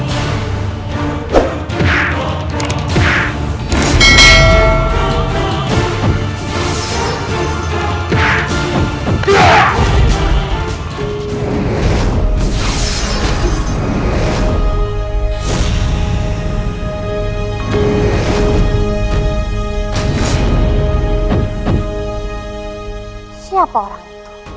kau akan menang